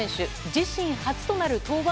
自身初となる登板